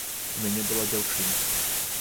У мяне была дзяўчына.